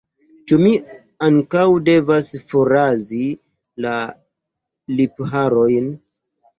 Ĉu mi ankaŭ devas forrazi la lipharojn?